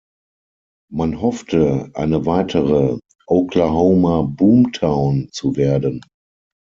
Man hoffte, eine weitere „Oklahoma boomtown“ zu werden.